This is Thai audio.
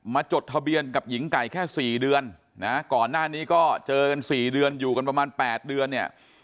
จดทะเบียนกับหญิงไก่แค่๔เดือนนะก่อนหน้านี้ก็เจอกัน๔เดือนอยู่กันประมาณ๘เดือนเนี่ย